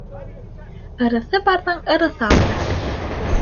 Ырыҫы барҙың ырыҫы алда.